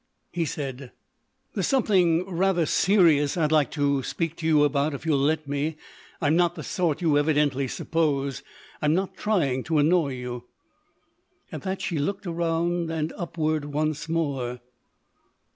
He said: "There's something rather serious I'd like to speak to you about if you'll let me. I'm not the sort you evidently suppose. I'm not trying to annoy you." At that she looked around and upward once more.